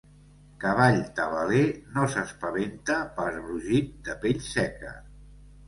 Cavall tabaler no s'espaventa per brogit de pell seca.